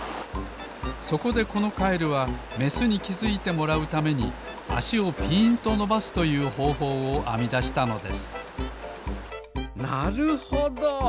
そこでこのカエルはメスにきづいてもらうためにあしをぴーんとのばすというほうほうをあみだしたのですなるほど。